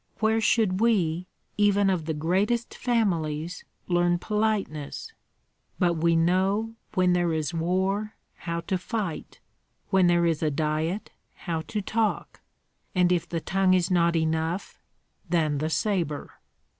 Where should we, even of the greatest families, learn politeness? But we know when there is war how to fight, when there is a diet how to talk; and if the tongue is not enough, then the sabre.